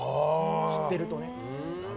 知ってるとね。